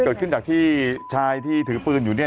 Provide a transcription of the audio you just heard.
เกิดขึ้นจากที่ชายที่ถือปืนอยู่เนี่ย